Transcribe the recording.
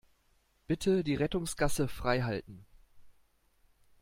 Bitte die Rettungsgasse freihalten.